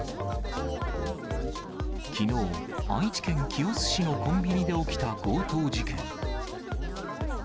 きのう、愛知県清須市のコンビニで起きた強盗事件。